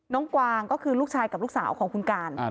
กวางก็คือลูกชายกับลูกสาวของคุณการ